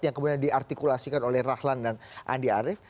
yang kemudian diartikulasikan oleh rahlan dan andi arief